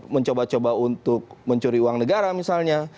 mencoba coba untuk mencuri uang negara misalnya